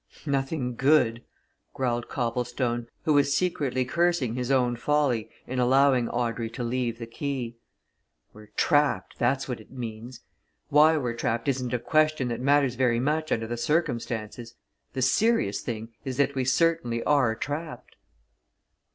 "Nothing good!" growled Copplestone who was secretly cursing his own folly in allowing Audrey to leave the quay. "We're trapped! that's what it means. Why we're trapped isn't a question that matters very much under the circumstances the serious thing is that we certainly are trapped."